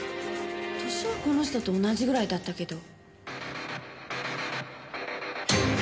歳はこの人と同じぐらいだったけど。